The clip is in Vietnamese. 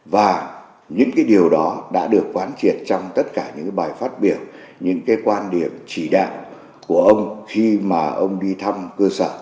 và những cái điều đó đã được quán triệt trong tất cả những bài phát biểu những cái quan điểm chỉ đạo của ông khi mà ông đi thăm cơ sở